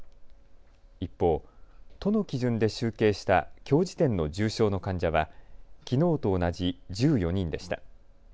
一方、都の基準で集計したきょう時点の重症の患者はきのうと同じ１４人でした。